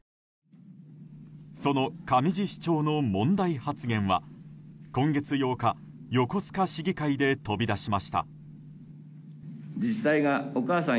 その上地市長の問題発言は今月８日横須賀市議会で飛び出しました。